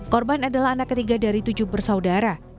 korban adalah anak ketiga dari tujuh bersaudara